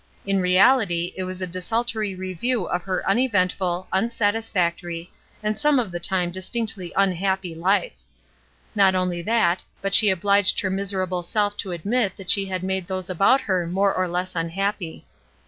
In reality it was a desultory review of her uneventful, unsatisfactory, and some of the time distinctly unhappy life. Not only that, but she obhged her miserable self to admit that she had made those about her more or less unhappy.